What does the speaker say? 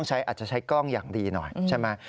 อาจจะใช้กล้องอย่างดีหน่อยใช่ไหม